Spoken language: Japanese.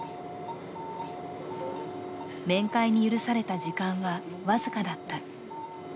面会に許された時間は僅かだった。